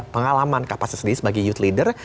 pengalaman kapasitas diri sebagai youth leader